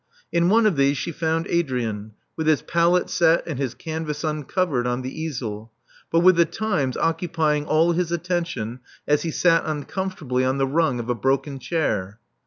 In one of these she found Adrian, with his palette set and his canvas uncovered on the easel, but with the Times occupying all his attention as he sat uncom fortably on the rung of a broken chair.